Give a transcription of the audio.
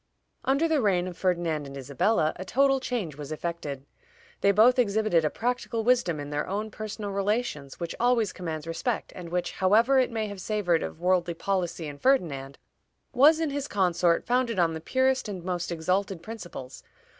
Under the reign of Ferdinand and Isabella a total change was effected. "They both exhibited a practical wisdom in their own personal relations which always commands respect, and which, however it may have savored of worldly policy in Ferdinand, was in his consort founded on the purest and most exalted principles.